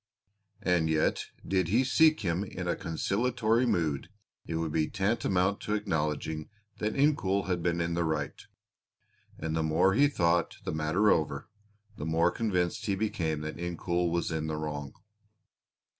And yet did he seek him in a conciliatory mood it would be tantamount to acknowledging that Incoul had been in the right, and the more he thought the matter over the more convinced he became that Incoul was in the wrong.